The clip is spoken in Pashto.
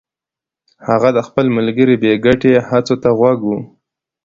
هغه د خپل ملګري بې ګټې هڅو ته غوږ و